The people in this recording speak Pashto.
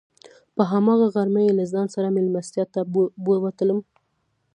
په هماغه غرمه یې له ځان سره میلمستیا ته بوتلم.